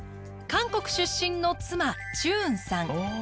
韓国出身の妻チュウンさん。